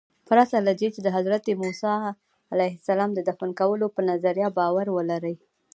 پرته له دې چې د حضرت موسی د دفن کولو په نظریه باور ولرئ.